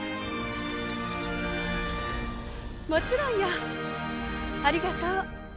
もちろんよありがとう！